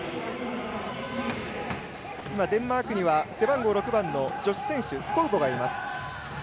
デンマークには背番号６番の女子選手スコウボがいます。